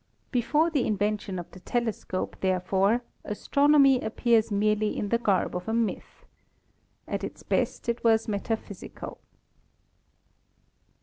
Be fore the invention of the telescope, therefore, astronomy appears merely in the garb of a myth. At its best it was metaphysical.